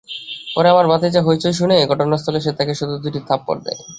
পরে আমার ভাতিজা হইচই শুনে ঘটনাস্থলে এসে তাঁকে শুধু দুটি থাপড় দেয়।